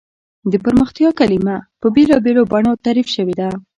د پرمختیا کلیمه په بېلا بېلو بڼو تعریف شوې ده.